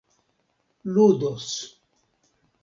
ludos